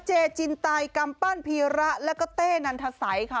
เจจินตายกำปั้นพีระแล้วก็เต้นันทสัยค่ะ